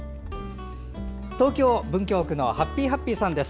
東京・文京区のハッピーハッピーさんです。